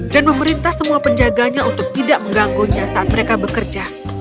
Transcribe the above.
dan memerintah semua penjaganya untuk tidak mengganggunya saat mereka bekerja